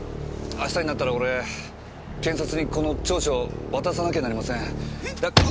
明日になったら俺検察にこの調書を渡さなきゃなりません。